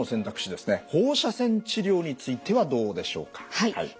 放射線治療についてはどうでしょうか。